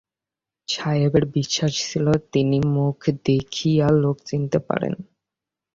সাহেবের বিশ্বাস ছিল তিনি মুখ দেখিয়া লোক চিনিতে পারেন।